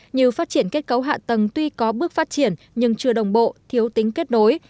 như phát triển kết cấu hạ tầng tuy có bước phát triển nhưng chưa đồng bộ thiếu tính kết nối